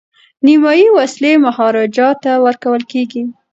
نیمایي وسلې مهاراجا ته ورکول کیږي.